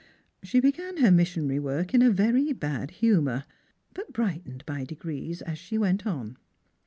She began her missionary work in a very bad humour; but brightened by degrees as she went on.